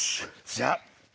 じゃあ。